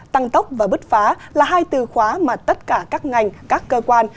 tăng tốc và bứt phá là hai từ khóa mà tất cả các ngành các cơ quan